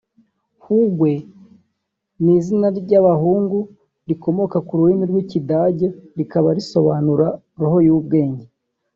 Hugues ni izina ry’abahungu rikomoka ku rurimi rw’Ikidage rikaba risobanura “Roho y’ubwenge”